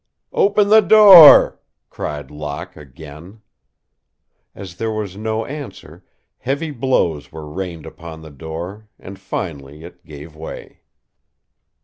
"Open the door!" cried Locke, again. As there was no answer, heavy blows were rained upon the door, and finally it gave way.